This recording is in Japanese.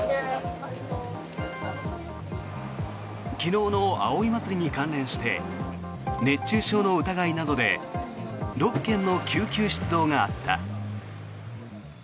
昨日の葵祭に関連して熱中症の疑いなどで６件の救急出動があった。